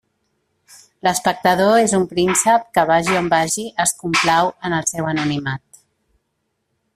L'espectador és un príncep que vagi on vagi es complau en el seu anonimat.